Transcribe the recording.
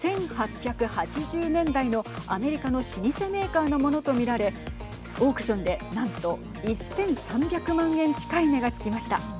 １８８０年代のアメリカの老舗メーカーのものと見られオークションで何と１３００万円近い値がつきました。